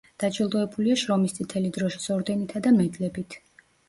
დაჯილდოებულია შრომის წითელი დროშის ორდენითა და მედლებით.